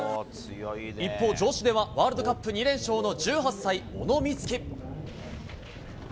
一方、女子ではワールドカップ２連勝の１８歳、小野光希。